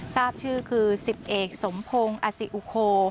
ทราบชื่อคือ๑๐เอกสมพงศ์อสิอุโค